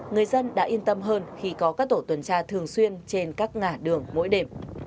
người dân đã yên tâm hơn khi có các tổ tuần tra thường xuyên trên các ngã đường mỗi đêm